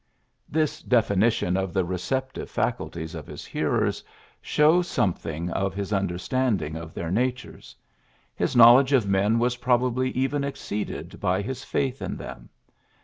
'' This definition of the receptive facul ties of his hearers shows something of his understanding of their natures. His knowledge of men was probably even exceeded by his faith in them.